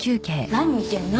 何見てるの？